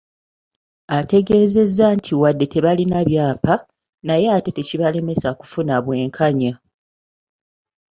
Ategezeza nti wadde tebalina byapa, naye ate tekibalemesa kufuna bwenkanya.